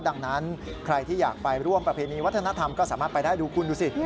ดังนั้นใครที่อยากไปร่วมประเพณีวัฒนธรรมก็สามารถไปได้ดูคุณดูสิ